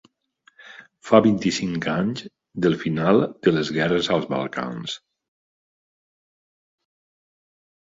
Fa vint-i-cinc anys del final de les guerres als Balcans.